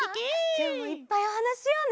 きょうもいっぱいおはなししようね。